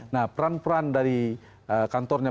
nah peran peran dari kantornya